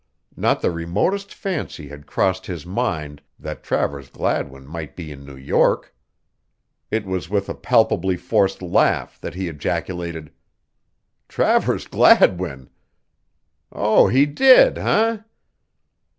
Not the remotest fancy had crossed his mind that Travers Gladwin might be in New York. It was with a palpably forced laugh that he ejaculated: "Travers Gladwin! Oh, he did, eh?"